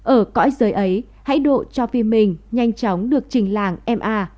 ở cõi giới ấy hãy độ cho phim mình nhanh chóng được trình làng ma